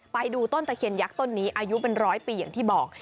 ไปดูต้นตะเคียนยักษ์ต้นนี้อายุเป็นร้อยปีอย่างที่บอก